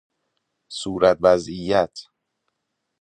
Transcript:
صورت وضعیت